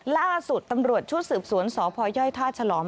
ล่าสุดตำรวจชุดสืบสวนสพยท่าฉลอม